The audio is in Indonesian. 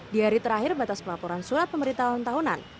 di hari terakhir batas pelaporan surat pemberitahuan tahunan